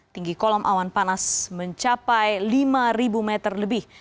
tinggi kolom awan panas mencapai lima meter lebih